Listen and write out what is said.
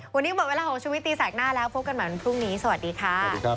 วันนี้หมดเวลาของชุวิตตีแสกหน้าแล้วพบกันใหม่วันพรุ่งนี้สวัสดีค่ะ